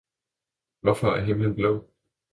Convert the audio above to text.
Hvorfor er himlen blå?